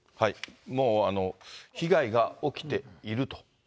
もう被害が起きていると。